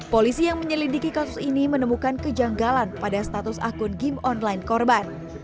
polisi yang menyelidiki kasus ini menemukan kejanggalan pada status akun game online korban